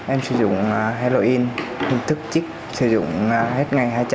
em sử dụng halloween hình thức chích sử dụng hết ngày hai trăm linh